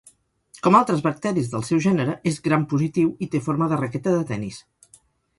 Com altres bacteris del seu gènere és gram-positiu i té forma de raqueta de tenis.